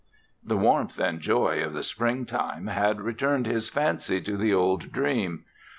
The warmth and joy of the springtime had turned his fancy to the old dream.